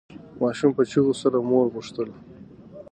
ماشوم په چیغو سره مور غوښتله.